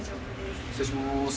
失礼します。